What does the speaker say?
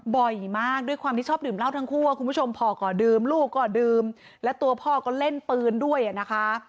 บ่อยมากด้วยความที่ชอบดื่มเหล้าทั้งคู่คุณผู้ชมพ่อก็ดื่มลูกก็ดื่มและตัวพ่อก็เล่นปืนด้วยอ่ะนะคะ